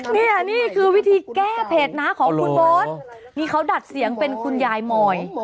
นี่นี่คือวิธีแก้เผ็ดนะของคุณเบิร์ตนี่เขาดัดเสียงเป็นคุณยายมอย